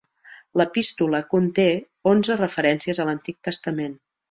L'epístola conté onze referències a l'Antic Testament.